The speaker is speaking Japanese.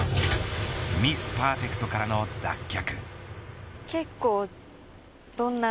ミス・パーフェクトからの脱却。